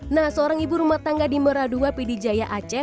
nah seorang ibu rumah tangga di meradua pd jaya aceh